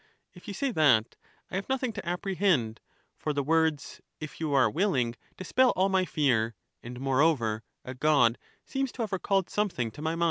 If you say that, I have nothing to '^pprehend^for the words 'if you are willing* dispel all my fear; andTmoreover, a god seems to have recalled something to my mind.